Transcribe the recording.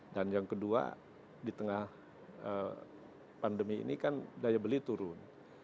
yang kedua di tengah pandemi ini kan daya beli turun